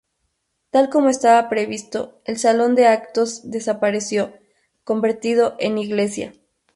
Tal como estaba previsto el salón de actos desapareció, convertido en iglesia.